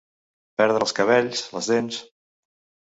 Perdre els cabells, les dents.